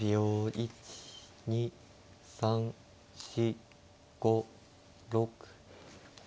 １２３４５６。